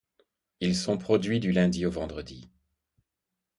Ils sont produits du lundi au vendredi.